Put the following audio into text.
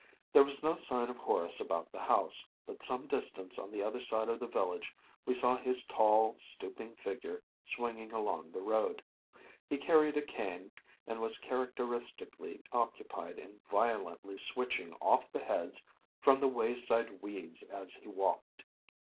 There was no sign of Horace about the house, but some distance on the other side of the village we saw his tall, stooping figure swinging along the road. He carried a cane and was characteristically occupied in violently switching off the heads from the wayside weeds as he walked.